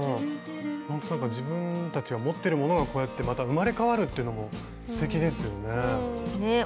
ほんとなんか自分たちが持ってるものがこうやってまた生まれ変わるっていうのもすてきですよね。